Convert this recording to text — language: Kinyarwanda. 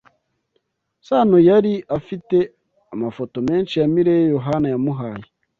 Sanoyari afite amafoto menshi ya Mirelle Yohana yamuhaye.